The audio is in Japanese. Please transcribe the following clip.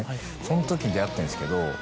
そのときに出会ってんですけど。